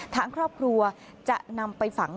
ทางครอบครัวจะนำไปฝัง